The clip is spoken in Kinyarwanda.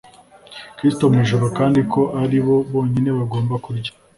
kristo mu ijuru kandi ko ari bo bonyine bagomba kurya